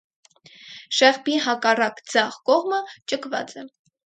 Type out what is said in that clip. Շեղբի հակառակ (ձախ) կողմը ճկված է։